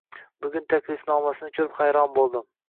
Bugun Taklifnomasini ko`rib hayron bo`ldim